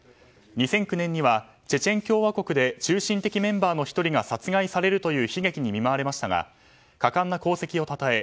２００９年にはチェチェン共和国で中心的なメンバーの１人が殺害されるという悲劇に見舞われましたが果敢な功績をたたえ